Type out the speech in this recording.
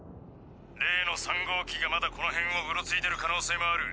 例の３号機がまだこの辺をうろついてる可能性もある。